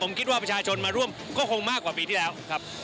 ผมคิดว่าประชาชนมาร่วมก็คงมากกว่าปีที่แล้วครับ